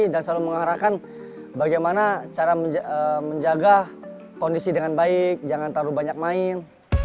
dan selalu mengarahkan bagaimana cara menjaga kondisi dengan baik jangan terlalu banyak main